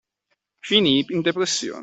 Finii in depressione.